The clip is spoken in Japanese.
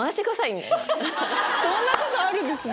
そんなことあるんですね。